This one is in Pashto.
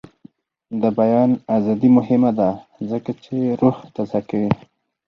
د بیان ازادي مهمه ده ځکه چې روح تازه کوي.